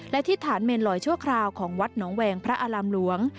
และที่ฐานเมนลอยชั่วคราวของวัดหนองแวงพระอารามหลวง